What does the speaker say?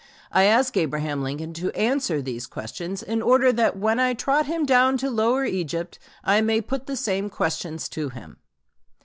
I ask Abraham Lincoln to answer these questions in order that when I trot him down to lower Egypt I may put the same questions to him."